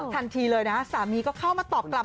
ทันทีเลยนะสามีก็เข้ามาตอบกลับ